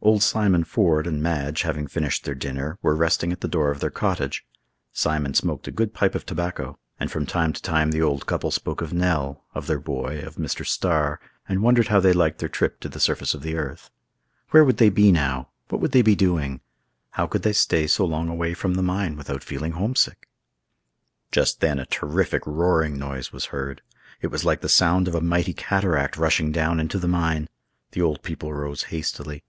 Old Simon Ford and Madge, having finished their dinner, were resting at the door of their cottage. Simon smoked a good pipe of tobacco, and from time to time the old couple spoke of Nell, of their boy, of Mr. Starr, and wondered how they liked their trip to the surface of the earth. Where would they be now? What would they be doing? How could they stay so long away from the mine without feeling homesick? Just then a terrific roaring noise was heard. It was like the sound of a mighty cataract rushing down into the mine. The old people rose hastily.